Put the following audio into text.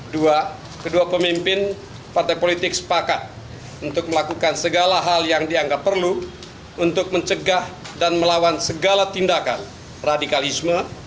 dua kedua pemimpin partai politik sepakat untuk melakukan segala hal yang dianggap perlu untuk mencegah dan melawan segala tindakan radikalisme